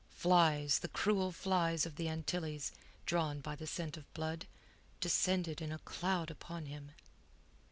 Flies, the cruel flies of the Antilles, drawn by the scent of blood, descended in a cloud upon him.